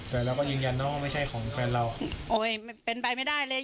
แต่เราก็ยืนยันนะว่าไม่ใช่ของแฟนเราโอ้ยเป็นไปไม่ได้เลย